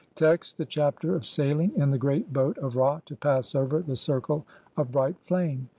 Text : (i) THE CHAPTER OF SAILING IN THE GREAT BOAT OF R.\ TO PASS OVER (2) THE CIRCLE OF BRIGHT FLAME.